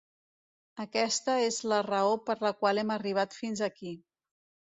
Aquesta és la raó per la qual hem arribat fins aquí.